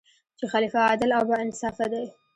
چې خلیفه عادل او با انصافه دی.